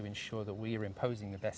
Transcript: untuk memastikan kita memanfaatkan